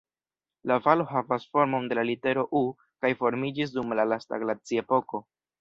La valo havas formon de la litero "U" kaj formiĝis dum la lasta glaciepoko.